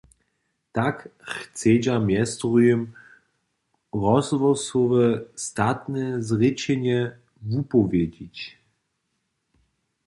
Tak chcedźa mjez druhim rozhłosowe statne zrěčenje wupowědźić.